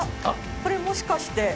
これもしかして。